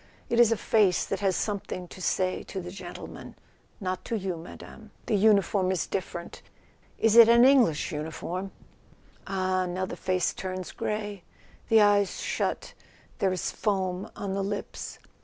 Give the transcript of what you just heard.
It is a face that has some¬ thing to say to the gentleman; not to you, Madame. The uniform is different—is it an English uniform ?... Ah, now the face turns grey; the eyes shut, there is foam on the lips.